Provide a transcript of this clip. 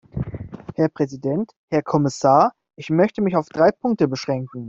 Herr Präsident, Herr Kommissar! Ich möchte mich auf drei Punkte beschränken.